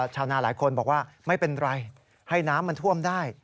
ชาวนาหลายคนบอกว่าไม่เป็นไรให้น้ำมันท่วมได้